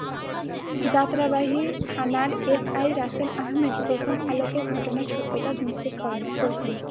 যাত্রাবাড়ী থানার এসআই রাসেল আহমেদ প্রথম আলোকে ঘটনার সত্যতা নিশ্চিত করেছেন।